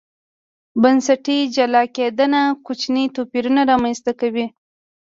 بنسټي جلا کېدنه کوچني توپیرونه رامنځته کوي.